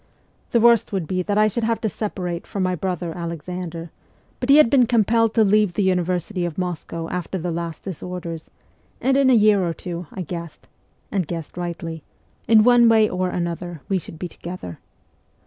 The worst would be that I should have to separate from my brother Alexander ; but he had been compelled to leave the university of Moscow after the last disorders, and in a year or two, I guessed (and SIBERIA 183 guessed rightly), in one way or another we should be together.